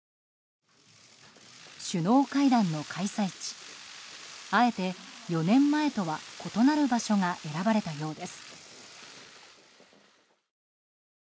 首脳会談の開催地あえて４年前とは異なる場所が選ばれたようです。